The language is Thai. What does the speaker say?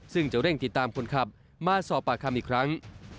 ซึ่งจะเร่งติดตามคนขับมาสอบปากคำอีกครั้ง